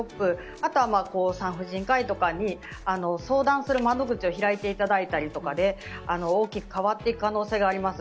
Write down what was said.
あとは、産婦人科医とかに相談する窓口を開いていただいたりとかで大きく変わっていく可能性があります。